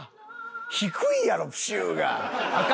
低いやろプシュー！が。